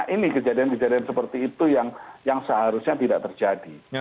ini kejadian kejadian seperti itu yang seharusnya tidak terjadi